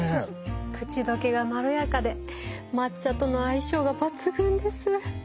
口どけがまろやかで抹茶との相性が抜群です。